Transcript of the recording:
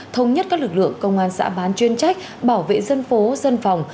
thống nhất các lực lượng công an xã bán chuyên trách bảo vệ dân phố dân phòng